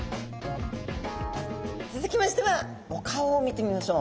つづきましてはお顔を見てみましょう。